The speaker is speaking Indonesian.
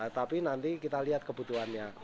tapi nanti kita lihat kebutuhannya